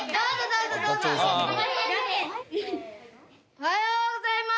おはようございます！